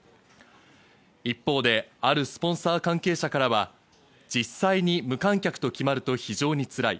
一方で、あるスポンサー関係者からは実際に無観客と決まると非常につらい。